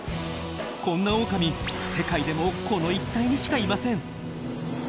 こんなオオカミ世界でもこの一帯にしかいません！